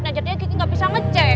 nah jadinya ki ki gak bisa ngecek